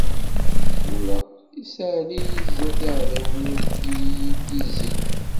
Tura, issaɛli-yi sdat yiɛdawen-iw i iyi-d-izzin.